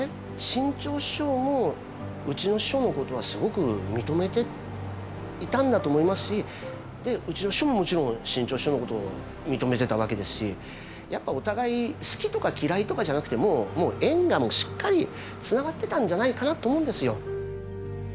志ん朝師匠もうちの師匠のことはすごく認めていたんだと思いますしでうちの師匠ももちろん志ん朝師匠のことを認めてたわけですしやっぱお互い好きとか嫌いとかじゃなくてもう縁がしっかりつながってたんじゃないかなと思うんですよ。